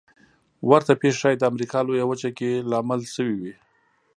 ورته پېښې ښايي د امریکا لویه وچه کې لامل شوې وي.